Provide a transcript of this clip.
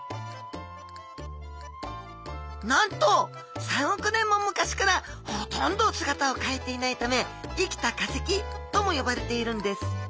なんと３億年も昔からほとんど姿を変えていないため生きた化石とも呼ばれているんです。